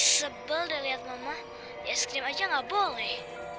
sebel udah liat mama es krim aja gak boleh